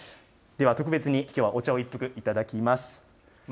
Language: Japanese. では特別にきょうはお茶を一服頂きます。